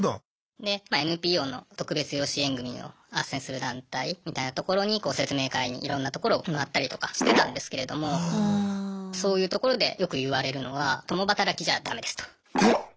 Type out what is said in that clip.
でＮＰＯの特別養子縁組をあっせんする団体みたいなところに説明会にいろんなところを回ったりとかしてたんですけれどもそういうところでよく言われるのは共働きじゃダメですと。